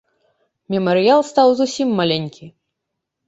Мемарыял стаў зусім маленькі.